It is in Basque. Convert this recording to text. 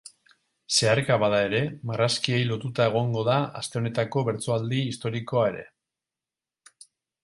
Zeharka bada ere marrazkiei lotuta egongo da aste honetako bertsoaldi historikoa ere.